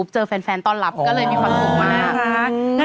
เจอแฟนต้อนรับก็เลยมีความสุขมาก